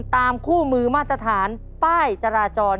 ตามคู่มือมาตรฐานป้ายจราจร